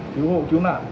cứu hộ cứu nạn